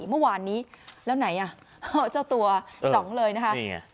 เมื่อวานนี้แล้วไหนอ่ะเจ้าตัวจ๋องเลยนะคะ